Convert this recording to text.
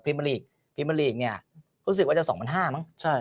พริมอลีกพริมอลีกเนี้ยรู้สึกว่าจะสองพันห้ามั้งใช่